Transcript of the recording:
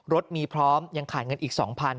รถมีพร้อมยังขายเงินอีก๒๐๐